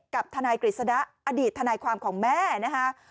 กับทนายกฤษณะอดีตทนายความของแม่นะคะ